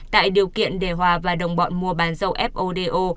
tạo điều kiện để hòa và đồng bọn mua bán dầu fodo